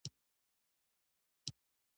ګاز د افغانستان د پوهنې نصاب کې شامل دي.